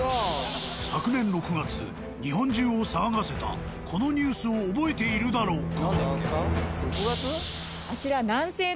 昨年６月日本中を騒がせたこのニュースを覚えているだろうか？